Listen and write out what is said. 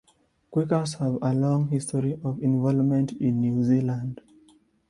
Quakers have a long history of involvement in New Zealand.